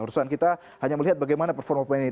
urusan kita hanya melihat bagaimana performa plan ini